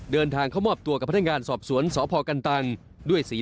คือมันเป็นความเครียดหรือเกิดอะไรขึ้นนะครับคุณอียิทธิ์